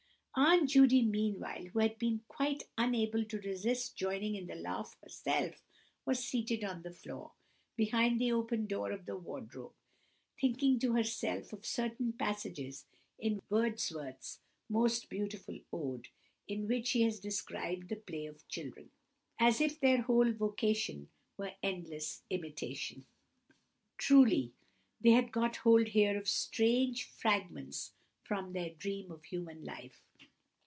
Aunt Judy meanwhile, who had been quite unable to resist joining in the laugh herself, was seated on the floor, behind the open door of the wardrobe, thinking to herself of certain passages in Wordsworth's most beautiful ode, in which he has described the play of children, "As if their whole vocation Were endless imitation." Truly they had got hold here of strange "Fragments from their dream of human life."